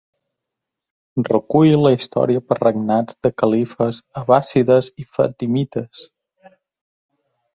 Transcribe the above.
Recull la història per regnats de califes abbàssides i fatimites.